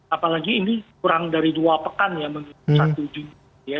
apalagi ini kurang dari dua pekan ya mengingat satu jumat